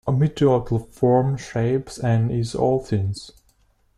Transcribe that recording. Ometeotl forms, shapes, and is all things.